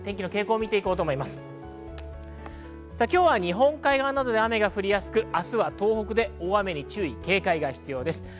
今日は日本海側などで雨が降りやすく、明日は東北で大雨に注意警戒が必要です。